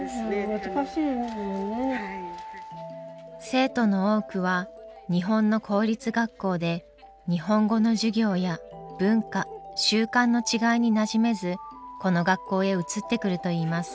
生徒の多くは日本の公立学校で日本語の授業や文化習慣の違いになじめずこの学校へ移ってくるといいます。